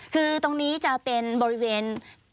คือตรงนี้จะเป็นบริเวณ